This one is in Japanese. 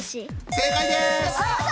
正解です！